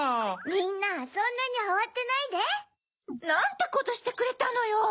みんなそんなにあわてないで。なんてことしてくれたのよ！